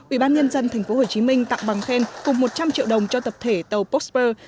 ủy ban nhân dân tp hcm tặng bằng khen cùng một trăm linh triệu đồng cho tập thể tàu posper